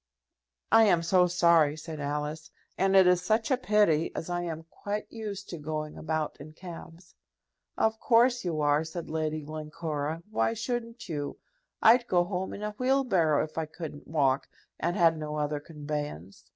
"I am so sorry," said Alice. "And it is such a pity, as I am quite used to going about in cabs." "Of course you are," said Lady Glencora. "Why shouldn't you? I'd go home in a wheelbarrow if I couldn't walk, and had no other conveyance.